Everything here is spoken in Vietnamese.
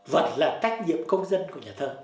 vẫn là tác nhiệm công dân của nhà thơ